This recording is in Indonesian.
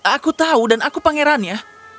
aku tahu dan aku pangerannya